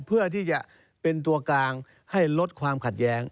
เพื่อที่จะเป็นตัวกลางให้ลดความขัดแย้ง